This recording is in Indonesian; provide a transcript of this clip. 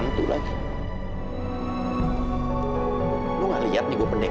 tolong deh aku perlu tahu